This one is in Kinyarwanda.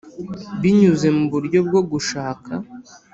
binyuze mu buryo bwo gushaka